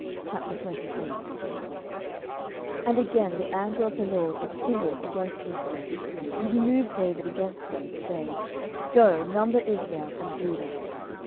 10:024:001 And again the anger of the LORD was kindled against Israel, and he moved David against them to say, Go, number Israel and Judah.